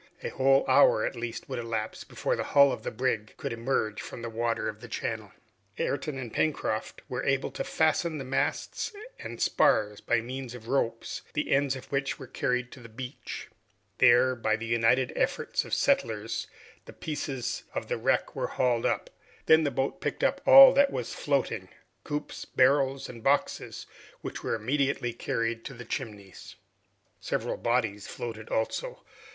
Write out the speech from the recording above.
A whole hour at least would elapse before the hull of the brig could emerge from the water of the channel. Ayrton and Pencroft were able to fasten the masts and spars by means of ropes, the ends of which were carried to the beach. There, by the united efforts of the settlers the pieces of wreck were hauled up. Then the boat picked up all that was floating, coops, barrels, and boxes, which were immediately carried to the Chimneys. Several bodies floated also.